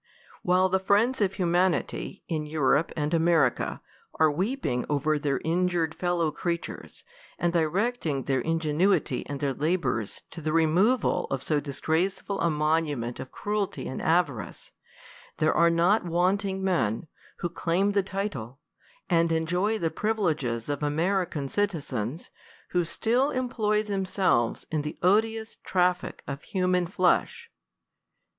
While the friends of humanity, in Europe and America, are weeping over their injured fellow crea tures, and directing their ingenuity and their labors to the removal of so disgraceful a monument of cruelty and avarice, there are not wanting men, who claim the title, and enjoy the privileges of American citizens, who still employ themselves in the odious traffic of hu^ man flesh.